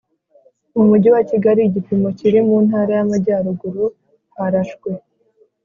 Mu mujyi wa Kigali igipimo kiri mu ntara y Amajyaruguru harashwe